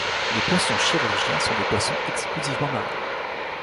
Les poissons-chirurgiens sont des poissons exclusivement marins.